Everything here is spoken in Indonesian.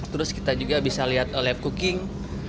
terus kita juga bisa lihat live cooking